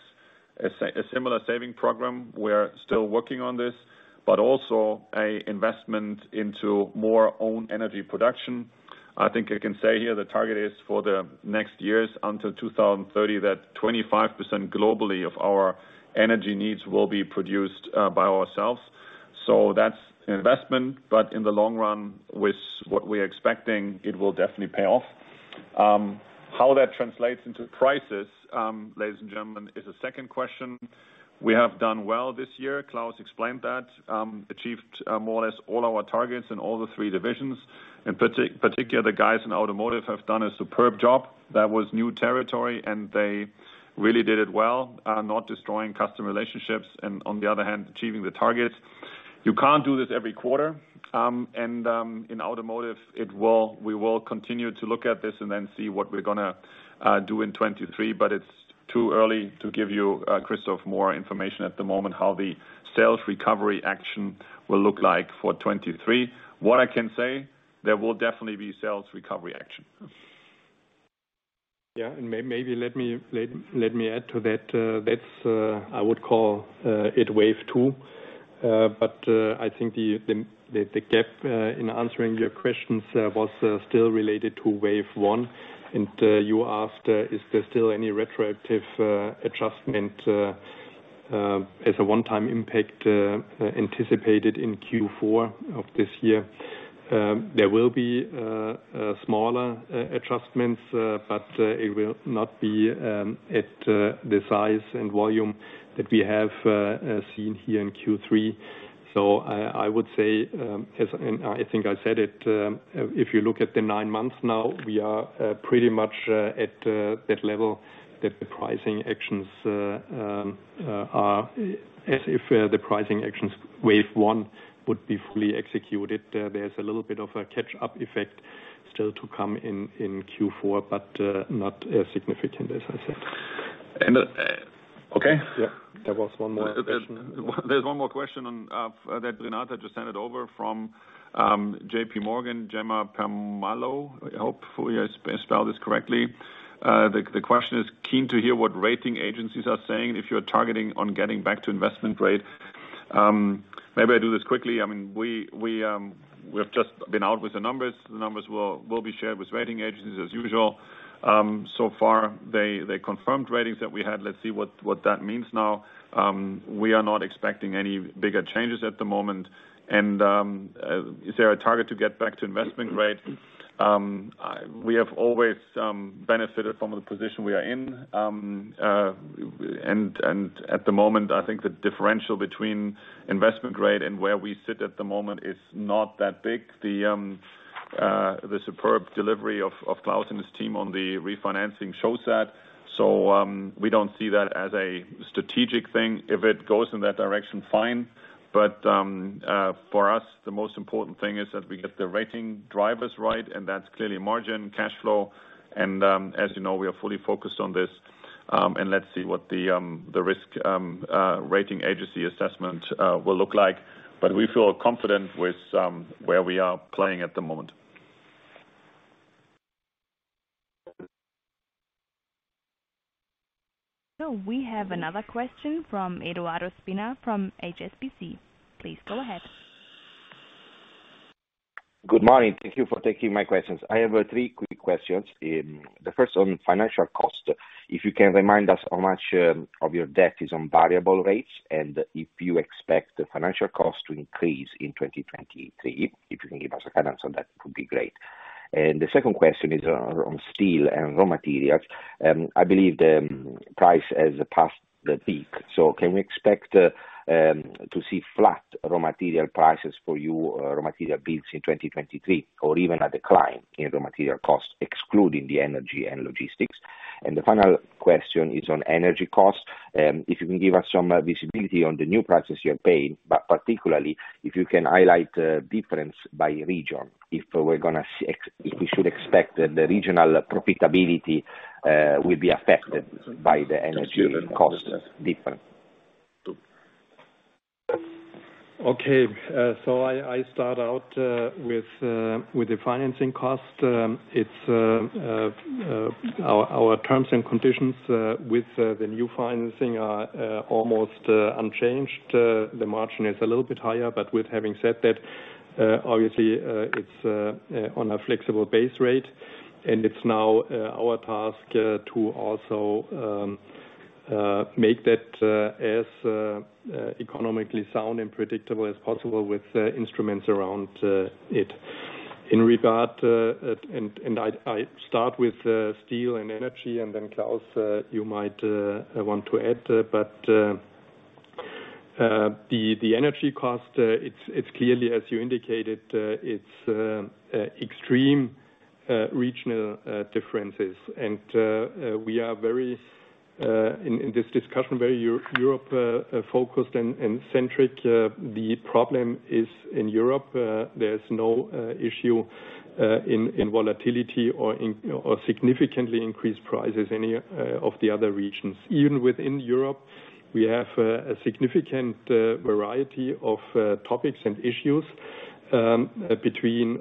a similar saving program. We're still working on this, but also an investment into more own energy production. I think I can say here the target is for the next years until 2030, that 25% globally of our energy needs will be produced by ourselves. That's an investment, but in the long run, with what we're expecting, it will definitely pay off. How that translates into prices, ladies and gentlemen, is a second question. We have done well this year. Klaus explained that. Achieved more or less all our targets in all the three divisions. In particular, the guys in automotive have done a superb job. That was new territory, and they really did it well, not destroying customer relationships and, on the other hand, achieving the targets. You can't do this every quarter. In automotive, we will continue to look at this and then see what we're going to do in 2023. It's too early to give you, Christoph, more information at the moment how the sales recovery action will look like for 2023. What I can say, there will definitely be sales recovery action. Maybe let me add to that. That I would call it wave 2. I think the gap in answering your questions was still related to wave 1. You asked, is there still any retroactive adjustment as a one-time impact anticipated in Q4 of this year? There will be smaller adjustments, but it will not be at the size and volume that we have seen here in Q3. I would say, and I think I said it, if you look at the 9 months now, we are pretty much at that level, that the pricing actions are as if the pricing actions wave 1 would be fully executed. There's a little bit of a catch-up effect still to come in Q4, but not significant, as I said. Okay. Yeah. There was 1 more question. There's 1 more question that Renata just handed over from J.P. Morgan, Akshat Kacker. Hopefully, I spelled this correctly. The question is: Keen to hear what rating agencies are saying if you're targeting on getting back to investment grade. Maybe I do this quickly. We've just been out with the numbers. The numbers will be shared with rating agencies as usual. So far, they confirmed ratings that we had. Let's see what that means now. We are not expecting any bigger changes at the moment. Is there a target to get back to investment grade? We have always benefited from the position we are in. At the moment, I think the differential between investment grade and where we sit at the moment is not that big. The superb delivery of Klaus and his team on the refinancing shows that. We don't see that as a strategic thing. If it goes in that direction, fine. For us, the most important thing is that we get the rating drivers right, and that's clearly margin, cash flow. As you know, we are fully focused on this. Let's see what the risk rating agency assessment will look like. We feel confident with where we are playing at the moment. We have another question from Edoardo Spina from HSBC. Please go ahead. Good morning. Thank you for taking my questions. I have three quick questions. The first on financial cost, if you can remind us how much of your debt is on variable rates, and if you expect the financial cost to increase in 2023. If you can give us a guidance on that, would be great. The second question is on steel and raw materials. I believe the price has passed the peak, so can we expect to see flat raw material prices for you, raw material bills in 2023 or even a decline in raw material costs, excluding the energy and logistics? The final question is on energy costs. If you can give us some visibility on the new prices you're paying, but particularly if you can highlight the difference by region, if we should expect the regional profitability will be affected by the energy cost difference. Okay. I start out with the financing cost. Our terms and conditions with the new financing are almost unchanged. The margin is a little bit higher. With having said that, obviously, it's on a flexible base rate, and it's now our task to also make that as economically sound and predictable as possible with instruments around it. In regard, I start with steel and energy. Klaus, you might want to add. The energy cost, it's clearly, as you indicated, it's extreme regional differences. We are, in this discussion, very Europe-focused and centric. The problem is in Europe. There's no issue in volatility or significantly increased prices, any of the other regions. Even within Europe, we have a significant variety of topics and issues between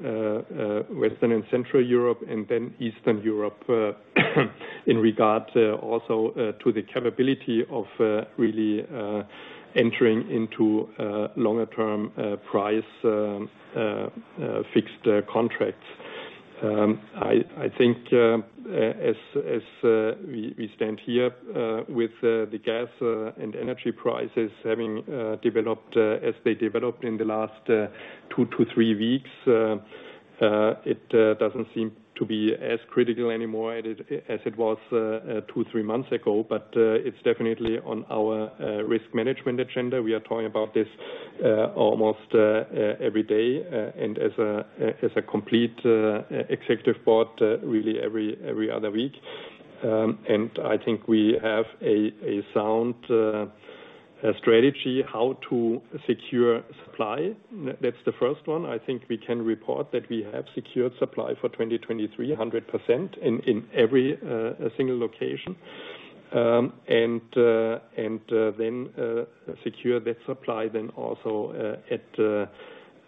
Western and Central Europe, then Eastern Europe, in regard also to the capability of really entering into longer term price fixed contracts. I think as we stand here with the gas and energy prices having developed as they developed in the last two to three weeks, it doesn't seem to be as critical anymore as it was two, three months ago. It's definitely on our risk management agenda. We are talking about this almost every day and as a complete executive board really every other week. I think we have a sound strategy how to secure supply. That's the first one. I think we can report that we have secured supply for 2023, 100% in every single location. Then secure that supply then also at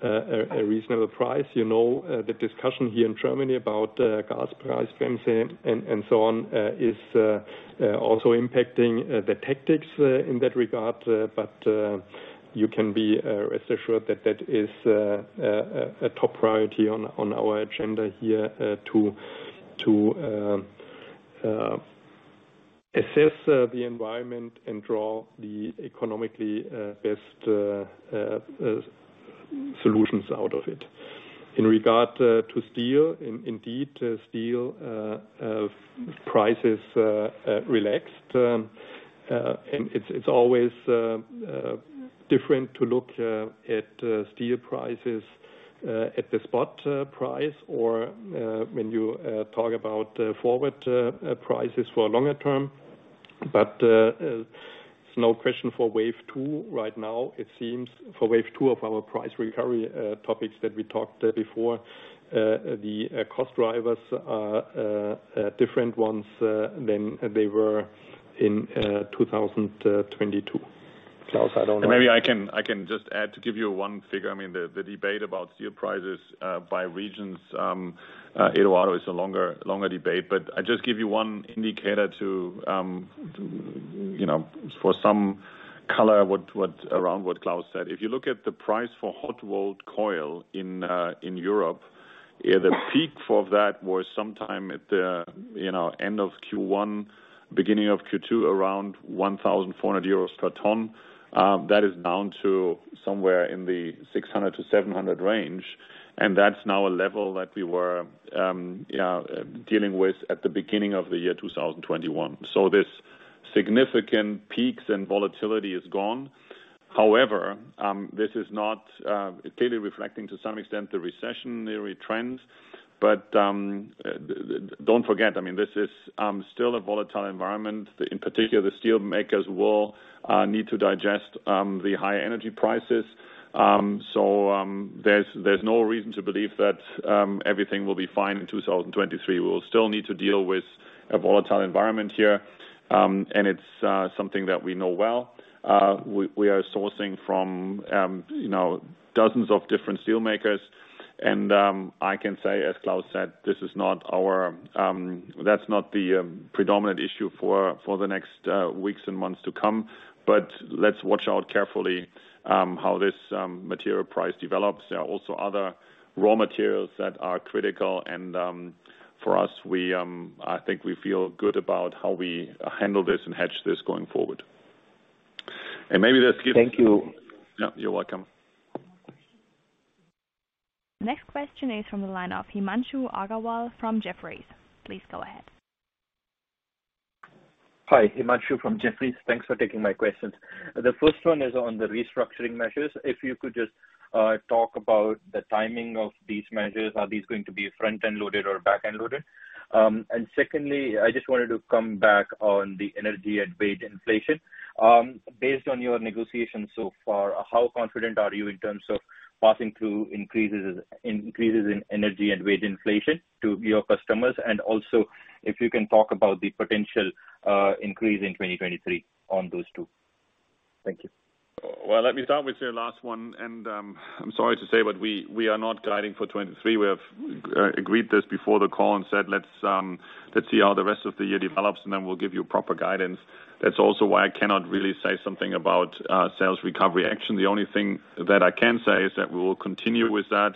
a reasonable price. The discussion here in Germany about gas price frames and so on, is also impacting the tactics in that regard. You can be rest assured that that is a top priority on our agenda here to assess the environment and draw the economically best solutions out of it. In regard to steel, indeed, steel prices relaxed. It's always different to look at steel prices at the spot price or when you talk about forward prices for longer term. It's no question for wave 2 right now, it seems, for wave 2 of our price recovery topics that we talked before. The cost drivers are different ones than they were in 2022. Klaus, I don't know. Maybe I can just add to give you one figure. The debate about steel prices by regions, Edoardo, is a longer debate, but I just give you one indicator for some color around what Klaus said. If you look at the price for hot-rolled coil in Europe, the peak for that was sometime at the end of Q1, beginning of Q2, around 1,400 euros per ton. That is down to somewhere in the 600 to 700 range, and that's now a level that we were dealing with at the beginning of the year 2021. This significant peaks and volatility is gone. However, this is not clearly reflecting to some extent the recessionary trends. Don't forget, this is still a volatile environment. In particular the steelmakers will need to digest the high energy prices. There's no reason to believe that everything will be fine in 2023. We will still need to deal with a volatile environment here, and it's something that we know well. We are sourcing from dozens of different steelmakers. I can say, as Klaus said, that's not the predominant issue for the next weeks and months to come. Let's watch out carefully how this material price develops. There are also other raw materials that are critical. For us, I think we feel good about how we handle this and hedge this going forward. Maybe this gives- Thank you. Yeah, you're welcome. Next question is from the line of Himanshu Agarwal from Jefferies. Please go ahead. Hi. Himanshu from Jefferies. Thanks for taking my questions. The first one is on the restructuring measures. If you could just talk about the timing of these measures. Are these going to be front-end loaded or back-end loaded? Secondly, I just wanted to come back on the energy and wage inflation. Based on your negotiations so far, how confident are you in terms of passing through increases in energy and wage inflation to your customers? Also, if you can talk about the potential increase in 2023 on those two. Thank you. Let me start with your last one. I'm sorry to say, we are not guiding for 2023. We have agreed this before the call and said let's see how the rest of the year develops. We will give you proper guidance. That is also why I cannot really say something about sales recovery action. The only thing that I can say is that we will continue with that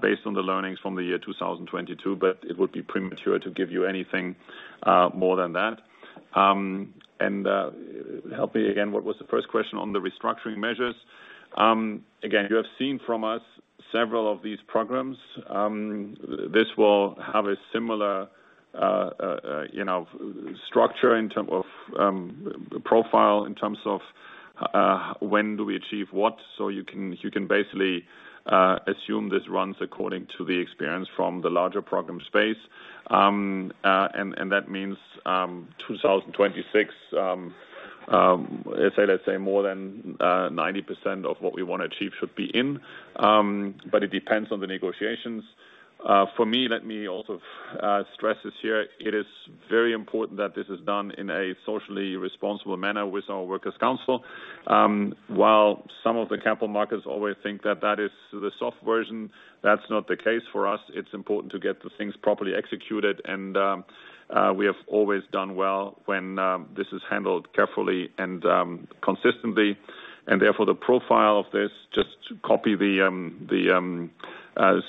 based on the learnings from the year 2022, but it would be premature to give you anything more than that. Help me again, what was the first question on the restructuring measures? Again, you have seen from us several of these programs. This will have a similar structure in terms of profile, in terms of when do we achieve what. You can basically assume this runs according to the experience from the larger program Space. That means 2026, let's say more than 90% of what we want to achieve should be in. It depends on the negotiations. For me, let me also stress this here, it is very important that this is done in a socially responsible manner with our workers' council. While some of the capital markets always think that that is the soft version, that is not the case for us. It is important to get the things properly executed, and we have always done well when this is handled carefully and consistently. Therefore, the profile of this, just copy our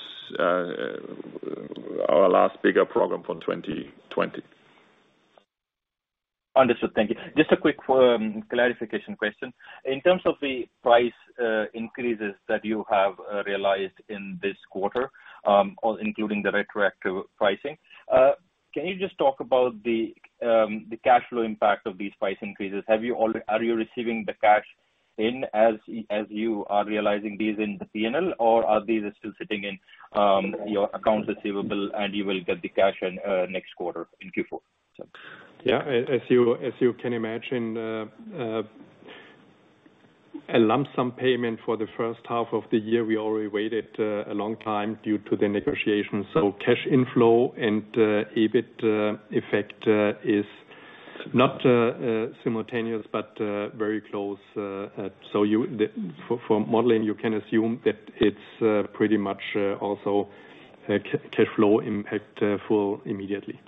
last bigger program from 2020. Understood. Thank you. Just a quick clarification question. In terms of the price increases that you have realized in this quarter, including the retroactive pricing, can you just talk about the cash flow impact of these price increases? Are you receiving the cash in as you are realizing these in the P&L, or are these still sitting in your accounts receivable and you will get the cash in next quarter in Q4? Thanks. As you can imagine, a lump sum payment for the first half of the year, we already waited a long time due to the negotiations. Cash inflow and EBIT effect is not simultaneous but very close. For modeling, you can assume that it is pretty much also cash flow impact full immediately.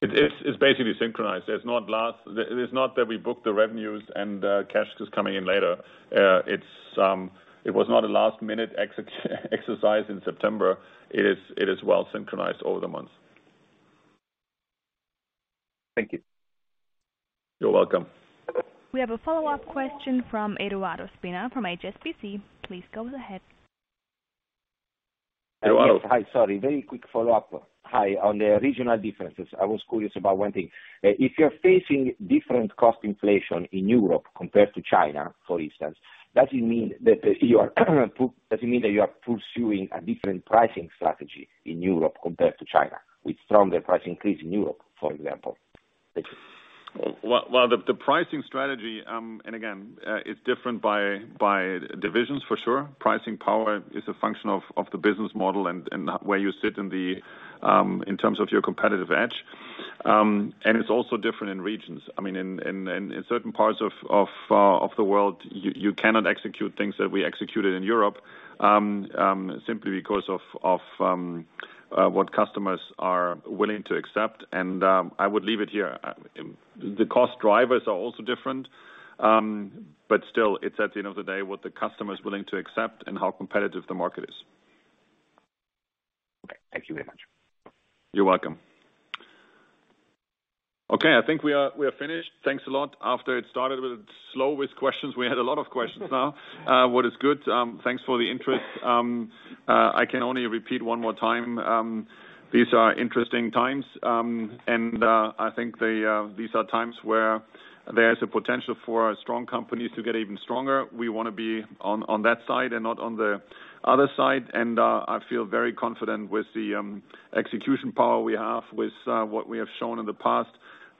It's basically synchronized. It's not that we book the revenues and cash is coming in later. It was not a last-minute exercise in September. It is well synchronized over the months. Thank you. You're welcome. We have a follow-up question from Edoardo Spina from HSBC. Please go ahead. Edoardo. Hi. Sorry, very quick follow-up. Hi. On the regional differences, I was curious about one thing. If you're facing different cost inflation in Europe compared to China, for instance, does it mean that you are pursuing a different pricing strategy in Europe compared to China with stronger price increase in Europe, for example? Thank you. Well, the pricing strategy, and again, it's different by divisions, for sure. Pricing power is a function of the business model and where you sit in terms of your competitive edge. It's also different in regions. In certain parts of the world, you cannot execute things that we executed in Europe simply because of what customers are willing to accept. I would leave it here. The cost drivers are also different. Still, it's at the end of the day what the customer is willing to accept and how competitive the market is. Okay. Thank you very much. You're welcome. Okay, I think we are finished. Thanks a lot. After it started slow with questions, we had a lot of questions now, what is good. Thanks for the interest. I can only repeat one more time. These are interesting times, and I think these are times where there is a potential for strong companies to get even stronger. We want to be on that side and not on the other side. I feel very confident with the execution power we have with what we have shown in the past,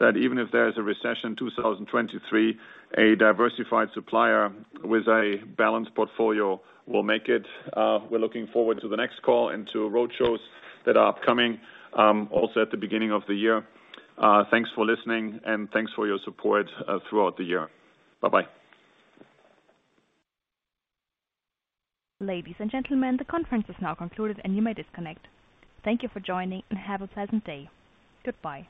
that even if there is a recession 2023, a diversified supplier with a balanced portfolio will make it. We're looking forward to the next call and to road shows that are upcoming also at the beginning of the year. Thanks for listening, and thanks for your support throughout the year. Bye-bye. Ladies and gentlemen, the conference is now concluded and you may disconnect. Thank you for joining, and have a pleasant day. Goodbye.